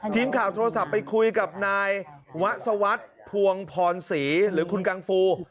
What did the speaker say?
ทีมข่าวโทรศัพท์ไปคุยกับนายวะสวัสดิ์พวงพรศรีหรือคุณกังฟู